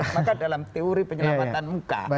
maka dalam teori penyelamatan muka